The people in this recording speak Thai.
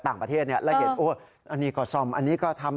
ต่างประเทศเนี่ยแล้วเห็นโอ้อันนี้ก็ซ่อมอันนี้ก็ทำ